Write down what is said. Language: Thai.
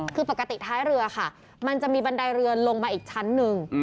คือปกติท้ายเรือค่ะมันจะมีบันไดเรือลงมาอีกชั้นหนึ่ง